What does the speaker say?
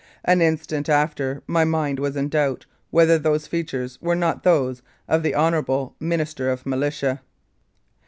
An instant after my mind was in doubt whether those features were not those of the Hon. Minister of Militia."